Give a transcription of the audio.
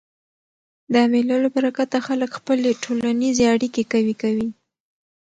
د مېلو له برکته خلک خپلي ټولنیزي اړیکي قوي کوي.